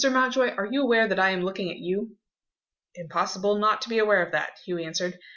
Mountjoy, are you aware that I am looking at you?" "Impossible not to be aware of that," Hugh answered.